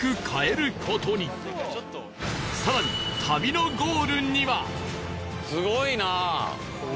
更に旅のゴールには